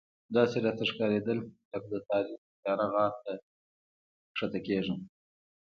داسې راته ښکارېدل لکه د تاریخ تیاره غار ته ښکته کېږم.